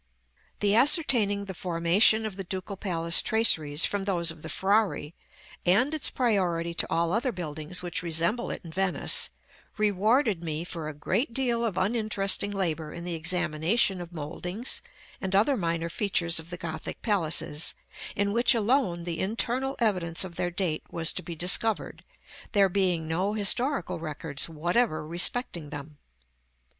The ascertaining the formation of the Ducal Palace traceries from those of the Frari, and its priority to all other buildings which resemble it in Venice, rewarded me for a great deal of uninteresting labor in the examination of mouldings and other minor features of the Gothic palaces, in which alone the internal evidence of their date was to be discovered, there being no historical records whatever respecting them.